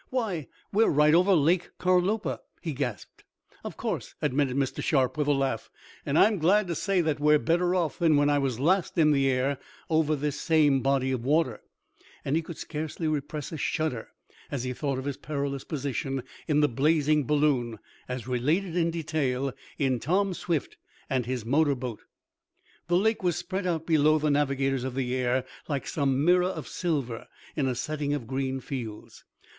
"Why! We're right over Lake Carlopa!" he gasped. "Of course," admitted Mr. Sharp with a laugh. "And I'm glad to say that we're better off than when I was last in the air over this same body of water," and he could scarcely repress a shudder as he thought of his perilous position in the blazing balloon, as related in detail in "Tom Swift and His Motor Boat." The lake was spread out below the navigators of the air like some mirror of silver in a setting of green fields.